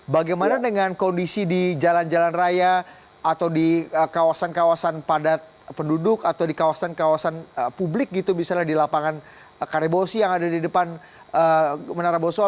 bagaimana dengan kondisi di jalan jalan raya atau di kawasan kawasan padat penduduk atau di kawasan kawasan publik gitu misalnya di lapangan karebosi yang ada di depan menara boso